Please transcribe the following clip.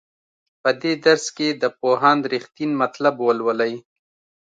په دې درس کې د پوهاند رښتین مطلب ولولئ.